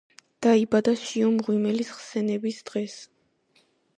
დაიბადა შიო მღვიმელის ხსენების დღეს.